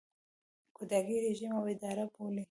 ګوډاګی رژیم او اداره بولي.